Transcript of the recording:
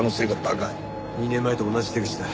２年前と同じ手口だ。